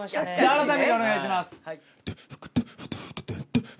あらためてお願いします。